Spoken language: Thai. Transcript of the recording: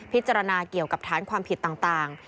พิจารณาเกี่ยวกับฐานความผิดต่าง